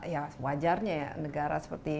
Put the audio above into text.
ya wajarnya ya negara seperti